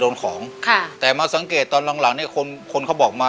สามีก็ต้องพาเราไปขับรถเล่นดูแลเราเป็นอย่างดีตลอดสี่ปีที่ผ่านมา